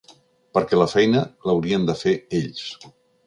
Perquè la feina, l’haurien de fer ells.